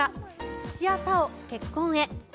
土屋太鳳、結婚へ。